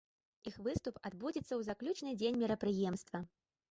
Іх выступ адбудзецца ў заключны дзень мерапрыемства.